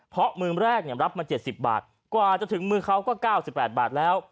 เพราะมือแรกรับมา๗๐บาทกว่าจะถึงมือเขาก็๙๘บาทแล้ว